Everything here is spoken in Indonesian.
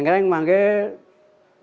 koreka disandarkan pada pohon